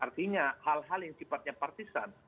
artinya hal hal yang sifatnya partisan